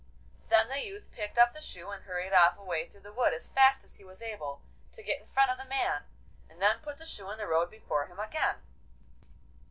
Then the youth picked up the shoe and hurried off away through the wood as fast as he was able, to get in front of the man, and then put the shoe in the road before him again.